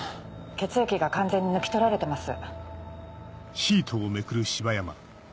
血液が完全に抜き取られてます。